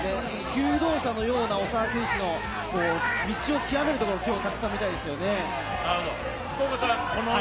求道者のような、長田選手の道を究めるところ、きょうはたくさんみたいですね。